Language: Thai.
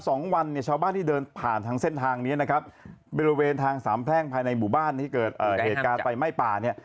สองวันเนี่ยชาวบ้านที่เดินผ่านทางเส้นทางนี้นะครับบริเวณทางสามแพร่งภายในหมู่บ้านที่เกิดเหตุการณ์ไฟไหม้ป่าเนี่ย